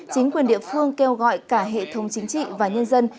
chính quyền địa phương kêu gọi cả hệ thống chính trị và nhân dân